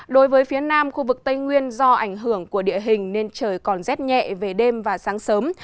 đối với phía nam khu vực tây nguyên do ảnh hưởng của địa hình nên trời còn rét nhẹ về đêm và sáng sớm